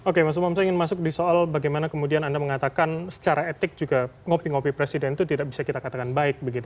oke mas umam saya ingin masuk di soal bagaimana kemudian anda mengatakan secara etik juga ngopi ngopi presiden itu tidak bisa kita katakan baik begitu